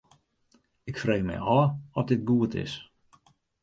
Ik freegje my ôf oft dit goed is.